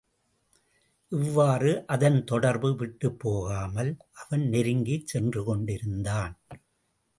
இவ்வாறு அதன் தொடர்பு விட்டுப் போகாமல், அவன் நெருங்கிச் சென்றுகொண்டிருந்தான்.